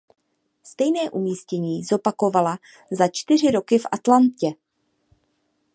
Stejné umístění zopakovala za čtyři roky v Atlantě.